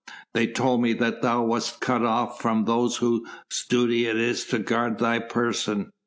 They told me that thou wast cut off from those whose duty it is to guard thy person.